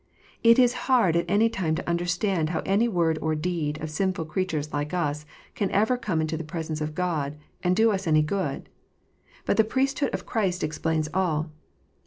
It is hard at any time to understand how any word or deed of sinful creatures like us can ever come into the presence of God, and do us any good. But the Priest hood of Christ explains all.